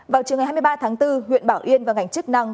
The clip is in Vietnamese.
vào chiều ngày hai mươi ba tháng bốn huyện bảo yên và ngành chức năng